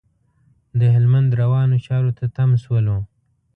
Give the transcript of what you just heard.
د هلمند روانو چارو ته تم شولو.